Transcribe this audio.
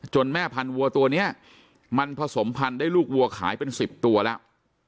แม่พันธวัวตัวนี้มันผสมพันธุ์ได้ลูกวัวขายเป็น๑๐ตัวแล้ว